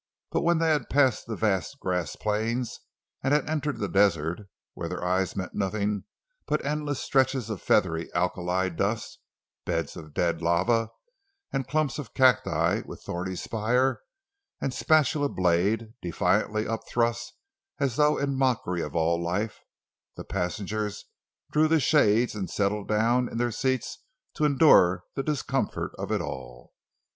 But when they had passed the vast grass plains and had entered the desert, where their eyes met nothing but endless stretches of feathery alkali dust, beds of dead lava, and clumps of cacti with thorny spire and spatula blade defiantly upthrust as though in mockery of all life—the passengers drew the shades and settled down in their seats to endure the discomfort of it all.